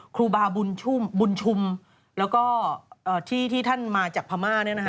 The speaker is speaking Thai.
ครูบาวบุญชุมและที่ท่านมาจากพม่า